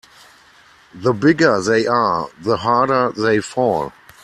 The bigger they are the harder they fall.